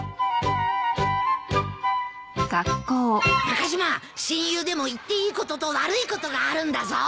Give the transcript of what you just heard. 中島親友でも言っていいことと悪いことがあるんだぞ！